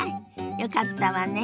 よかったわね。